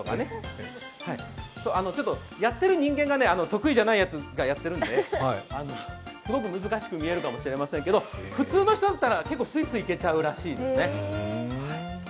ちょっとやってる人間が得意じゃないやつがやってるんですごく難しく見えるかもしれませんけど、普通の人だったら、結構、すいすいいけちゃうらしいです。